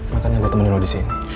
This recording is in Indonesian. makanya gue temenin lo di sini